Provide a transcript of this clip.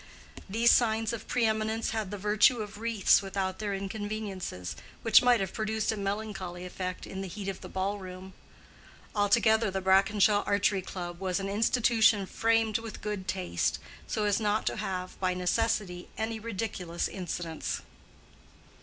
These signs of pre eminence had the virtue of wreaths without their inconveniences, which might have produced a melancholy effect in the heat of the ball room. Altogether the Brackenshaw Archery Club was an institution framed with good taste, so as not to have by necessity any ridiculous incidents.